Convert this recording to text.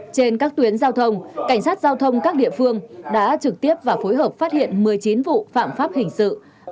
trên các tuyến giao thông cảnh sát giao thông các địa phương đã trực tiếp và phối hợp phát hiện một mươi chín vụ phạm pháp hình sự